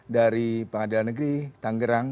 dari pengadilan negeri tanggerang